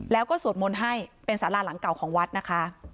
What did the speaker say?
แล้วก็สวดมนต์ให้เป็นสาราหลังเก่าของวัดนะคะ